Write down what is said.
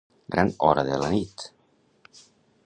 Gran hora de la nit.